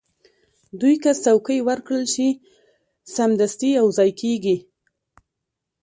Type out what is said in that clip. دوی که څوکۍ ورکړل شي، سمدستي یو ځای کېږي.